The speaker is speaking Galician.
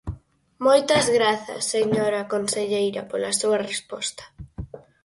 Moitas grazas, señora conselleira, pola súa resposta.